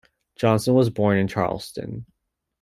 Johnson was born in Charleston.